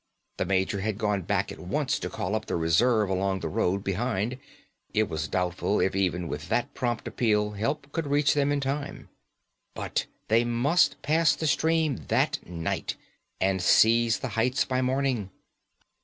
The major had gone back at once to call up the reserve along the road behind; it was doubtful if even with that prompt appeal help could reach them in time. But they must pass the stream that night, and seize the heights by morning.